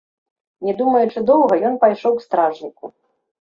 Не думаючы доўга, ён пайшоў к стражніку.